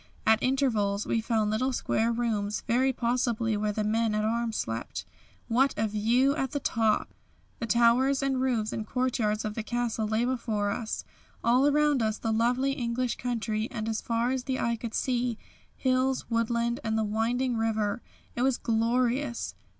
At intervals we found little square rooms, very possibly where the men at arms slept. What a view at the top! The towers and roofs and courtyards of the castle lay before us. All around us the lovely English country, and as far as the eye could see, hills, woodland, and the winding river. It was glorious.